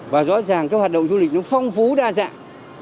và rõ ràng cái hoạt động du lịch nó phong phú đa dạng